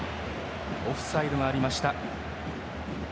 オフサイドがありました。